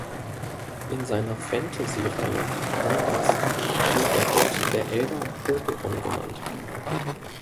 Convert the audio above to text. In seiner Fantasyreihe "Anders" wird der Gott der Elder Oberon genannt.